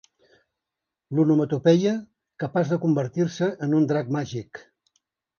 L'onomatopeia capaç de convertir-se en un drac màgic.